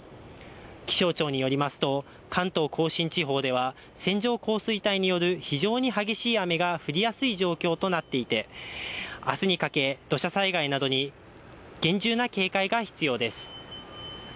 気象庁によりますと関東甲信地方では、線状降水帯による非常に激しい雨が降りやすい状況となっていて、明日にかけ、土砂災害などに厳重な警戒が必要です。